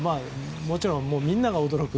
もちろん、みんなが驚く。